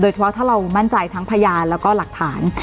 เฉพาะถ้าเรามั่นใจทั้งพยานแล้วก็หลักฐาน